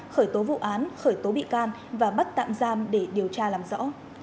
khởi tố vụ án khởi tố bị can và bắt tạm giam để điều tra làm rõ